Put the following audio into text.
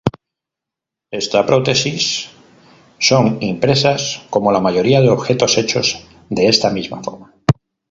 Estas prótesis son impresas como la mayoría de objetos hechos de esta misma forma.